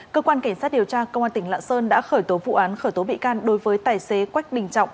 cơ quan cảnh sát điều tra công an tỉnh lạng sơn đã khởi tố vụ án khởi tố bị can đối với tài xế quách đình trọng